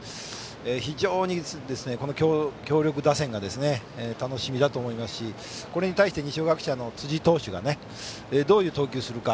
非常に打つこの強力打線が楽しみだと思いますしこれに対して二松学舎の辻投手がどういう投球をするか。